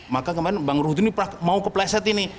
maka kemarin bang rudi mau kepleset ini